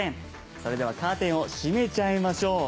それではカーテンを閉めちゃいましょう。